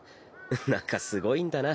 なんかすごいんだな